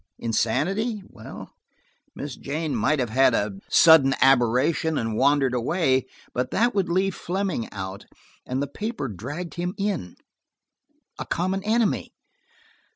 Insanity? Well, Miss Jane might have had a sudden aberration and wandered away, but that would leave Fleming out, and the paper dragged him in. A common enemy?